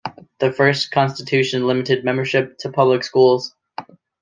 The first Constitution limited membership to public schools.